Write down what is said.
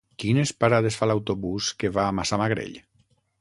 Quines parades fa l'autobús que va a Massamagrell?